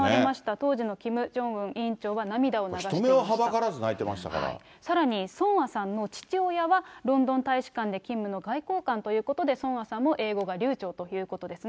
当時のキム・ジョンウン委員長は人目をはばからず泣いてましさらにソンアさんの父親は、ロンドン大使館で勤務の外交官ということで、ソンアさんも英語が流ちょうということですね。